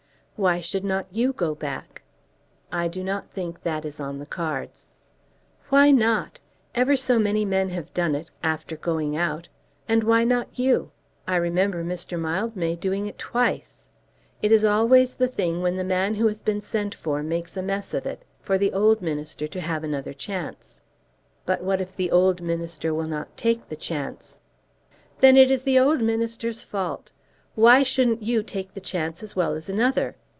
"Why should not you go back?" "I do not think that is on the cards." "Why not? Ever so many men have done it, after going out, and why not you? I remember Mr. Mildmay doing it twice. It is always the thing when the man who has been sent for makes a mess of it, for the old minister to have another chance." "But what if the old minister will not take the chance?" "Then it is the old minister's fault. Why shouldn't you take the chance as well as another?